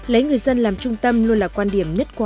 lấy người dân làm trung tâm luôn là quan điểm nhất quán